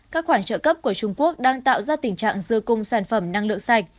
các khoản trợ cấp của trung quốc đang tạo ra tình trạng dư cung sản phẩm năng lượng sạch